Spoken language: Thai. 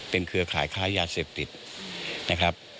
เครือข่ายค้ายาเสพติดนะครับ